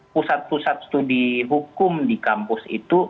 pusat pusat studi hukum di kampus itu